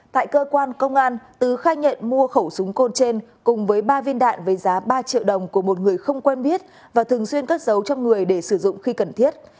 tại cơ quan công an tứ khai nhận mua khẩu súng côn trên cùng với ba viên đạn với giá ba triệu đồng của một người không quen biết và thường xuyên cất giấu trong người để sử dụng khi cần thiết